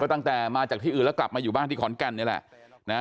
ตั้งแต่มาจากที่อื่นแล้วกลับมาอยู่บ้านที่ขอนแก่นนี่แหละ